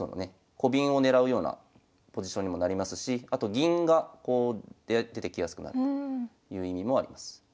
コビンをねらうようなポジションにもなりますしあと銀がこう出てきやすくなるという意味もあります。